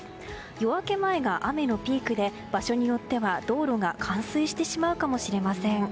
夜明け前が雨のピークで場所によっては、道路が冠水してしまうかもしれません。